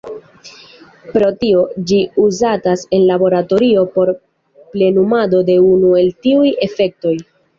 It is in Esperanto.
Pro tio, ĝi uzatas en laboratorio por plenumado de unu el tiuj efektoj.